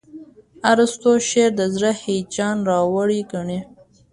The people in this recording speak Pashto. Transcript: ارستو شعر د زړه هیجان راوړي ګڼي.